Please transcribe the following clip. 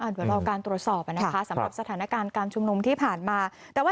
เดี๋ยวรอการตรวจสอบนะคะสำหรับสถานการณ์การชุมนุมที่ผ่านมา